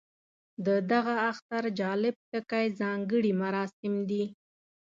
د دغه اختر جالب ټکی ځانګړي مراسم دي.